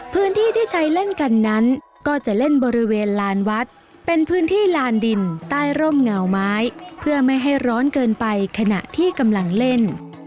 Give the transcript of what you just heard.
พื้นที่ที่ใช้เล่นกันนั้นก็จะเล่นบริเวณลานวัดเป็นพื้นที่ลานดินใต้ร่มเงาไม้เพื่อไม่ให้ร้อนเกินไปขณะที่กำลังเล่น